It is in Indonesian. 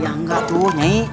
ya enggak tuh nyai